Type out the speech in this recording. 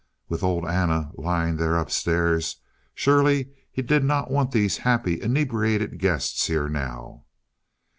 With old Anna lying there upstairs surely he did not want these happy inebriated guests here now....